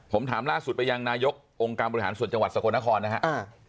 ผมถามล่าสุดไปยังนายกองค์การบริหารส่วนจังหวัดสกลนครนะครับ